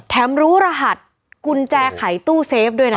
รู้รหัสกุญแจไขตู้เซฟด้วยนะ